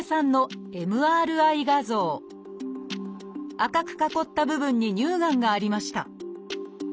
赤く囲った部分に乳がんがありました